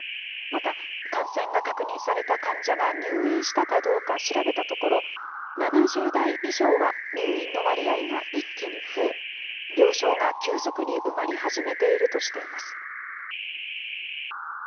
また、感染が確認された患者が入院したかどうか調べたところ、７０代以上は入院の割合が一気に増え、病床が急速に埋まり始めているとしています。